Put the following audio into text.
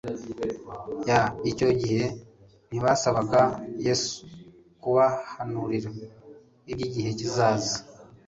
ya !' Icyo gihe ntibasabaga Yesu kubahanurira iby'igihe kizaza